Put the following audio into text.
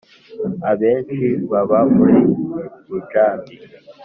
abenshi baba muri punjabi.